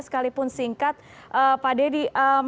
sekalipun singkat pak dedy